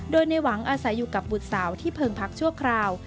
โดยในหวังอาศัยอยู่กับบุตรสาวที่เพิงพักชั่วคราว